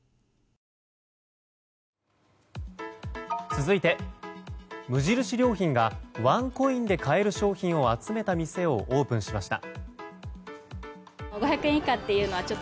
続いて、無印良品がワンコインで買える商品を集めた店をオープンしました。